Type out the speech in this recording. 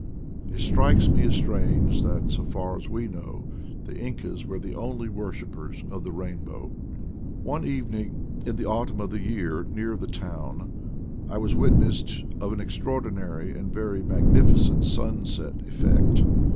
It strikes me as strange that, so far as we know, the Incas were the only worshipers of the rainbow. One evening in the autumn of the year, near the town, I was witness of an extraordinary and very magnificent sunset effect.